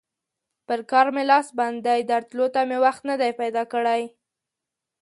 پر کار مې لاس بند دی؛ درتلو ته مې وخت نه دی پیدا کړی.